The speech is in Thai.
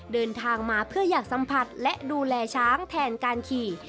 เดินทางมาเพื่ออยากสัมผัสและดูแลช้างแทนการขี่